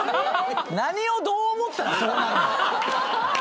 何をどう思ったらそうなるの？